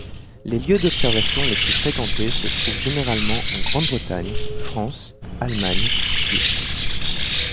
Les lieux d'observation les plus fréquentés se trouvent généralement en Grande-Bretagne, France, Allemagne, Suisse.